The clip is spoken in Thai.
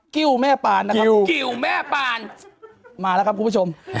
้วแม่ปานนะครับกิ้วแม่ปานมาแล้วครับคุณผู้ชม